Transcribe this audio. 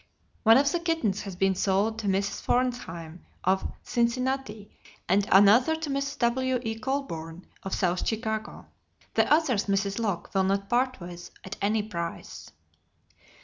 One of the kittens has been sold to Mrs. Dr. Forsheimer, of Cincinnati, and another to Mrs. W.E. Colburn, of South Chicago. The others Mrs. Locke will not part with at any price.